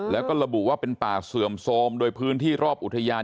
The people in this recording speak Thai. แล้วก็ระบุว่าเป็นป่าเสื่อมโทรมโดยพื้นที่รอบอุทยาน